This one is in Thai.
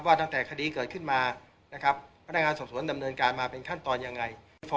ตั้งแต่คดีเกิดขึ้นมานะครับพนักงานสอบสวนดำเนินการมาเป็นขั้นตอนยังไง